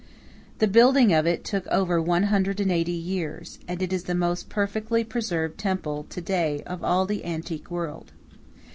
The building of it took over one hundred and eighty years, and it is the most perfectly preserved temple to day of all the antique world.